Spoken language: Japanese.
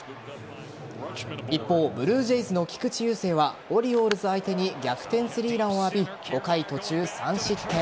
一方ブルージェイズの菊池雄星はオリオールズ相手に逆転３ランを浴び５回途中３失点。